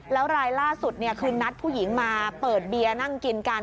แล้วรายล่าสุดคือนัดผู้หญิงมาเปิดเบียร์นั่งกินกัน